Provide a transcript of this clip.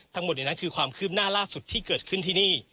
ทั้งหมดในนั้นคือความคืบหน้าล่าสุดที่เกิดขึ้นที่นี่